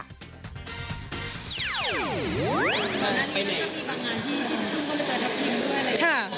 ตอนนี้มันก็มีบางงานที่กินขึ้นก็มีเจอกับกินด้วยอะไรอย่างเนี่ย